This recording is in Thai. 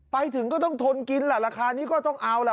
ไปถึงก็ต้องทนกินแหละราคานี้ก็ต้องเอาล่ะ